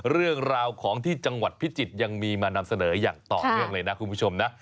เรื่องราวของที่จังหวัดพิจิตรยังมีมานำเสนออย่างต่อเนื่องเลยนะคุณผู้ชมนะ